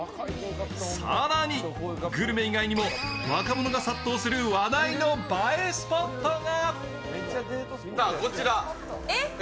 更に、グルメ以外にも若者が殺到する話題の映えスポットが。